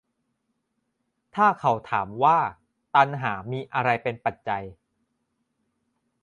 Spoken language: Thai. ถ้าเขาถามว่า ตัณหามีอะไรเป็นปัจจัย